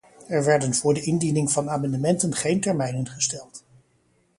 Er werden voor de indiening van amendementen geen termijnen gesteld.